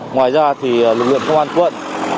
ngoài ra thì lực lượng công an quận